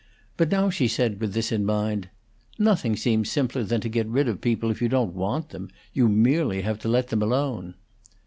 But now she said, with this in mind: "Nothing seems simpler than to get rid of people if you don't want them. You merely have to let them alone."